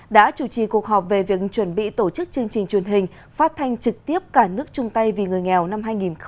đã chủ trì cuộc họp về việc chuẩn bị tổ chức chương trình truyền hình phát thanh trực tiếp cả nước chung tay vì người nghèo năm hai nghìn hai mươi